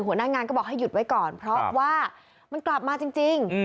หัวหน้างานก็บอกให้หยุดไว้ก่อนเพราะว่ามันกลับมาจริง